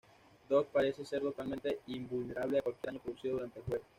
Dog parece ser totalmente invulnerable a cualquier daño producido durante el juego.